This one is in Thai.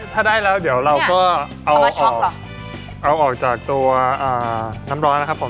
ถ้าได้แล้วเดี๋ยวเราก็เอาออกเอาออกจากตัวน้ำร้อนนะครับผม